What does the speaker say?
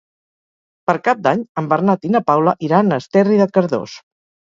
Per Cap d'Any en Bernat i na Paula iran a Esterri de Cardós.